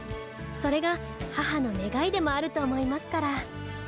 それが母の願いでもあると思いますから。